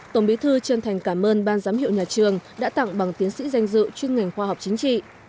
tổng bí thư chân thành cảm ơn ban giám hiệu nhà trường đã tặng bằng tiến sĩ danh dự chuyên ngành khoa học chính trị